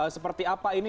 seperti apa ini